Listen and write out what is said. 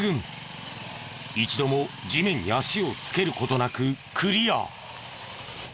一度も地面に足をつける事なくクリア。